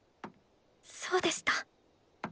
そうでした。